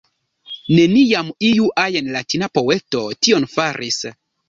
Neniam iu ajn Latina poeto tion faris!